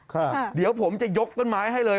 ค่ะเดี๋ยวผมจะยกต้นไม้ให้เลย